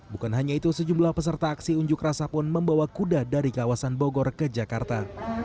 bukan hanya itu sejumlah peserta aksi unjuk rasa pun membawa kuda dari kawasan bogor ke jakarta